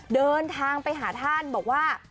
เดินทางไปหาท่านบอกว่า